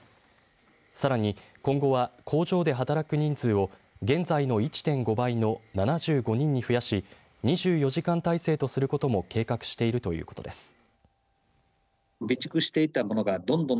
さらに、今後は工場で働く人数を現在の１．５倍の７５人に増やし２４時間体制とすることも計画しているということです。